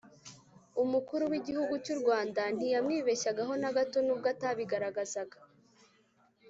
umukuru w'igihugu cy'u rwanda ntiyamwibeshyagaho na gato, nubwo atabigaragazaga